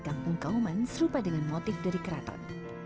kampung kauman serupa dengan motif dari keraton